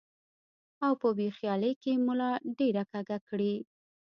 او پۀ بې خيالۍ کښې ملا ډېره کږه کړي ـ